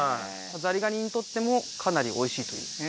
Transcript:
ザリガニにとってもかなりおいしい。